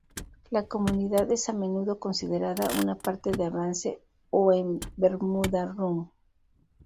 La comunidad es a menudo considerada una parte de Avance o en Bermuda Run.